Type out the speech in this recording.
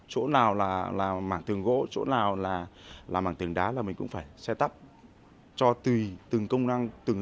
chỗ nào là mảng tường gỗ chỗ nào là mảng tường đá là mình cũng phải set up cho tùy từng công năng